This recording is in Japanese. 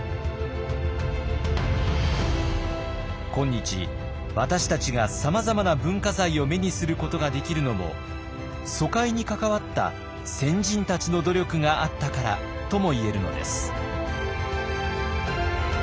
今日私たちがさまざまな文化財を目にすることができるのも疎開に関わった先人たちの努力があったからとも言えるのです。